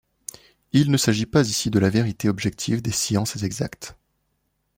Il ne s'agit pas ici de la vérité objective des sciences exactes.